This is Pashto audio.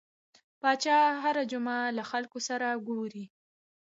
پاچا هر جمعه له خلکو سره ګوري .